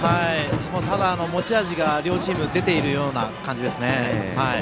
持ち味が両チーム出ているような感じです。